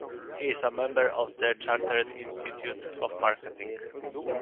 He is a Member of the Chartered Institute of Marketing.